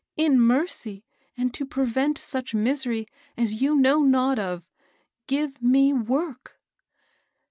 In mercy, and to prevent such misery as you know not of, give me work